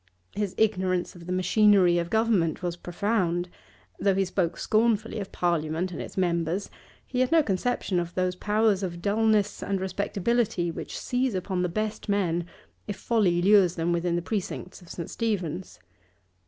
His ignorance of the machinery of government was profound; though he spoke scornfully of Parliament and its members, he had no conception of those powers of dulness and respectability which seize upon the best men if folly lures them within the precincts of St. Stephen's.